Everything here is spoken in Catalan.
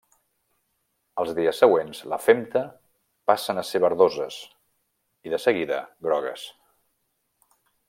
Els dies següents la femta passen a ser verdoses i, de seguida, grogues.